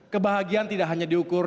kebahagiaan tidak hanya diukur